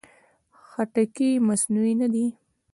خټکی مصنوعي نه ده.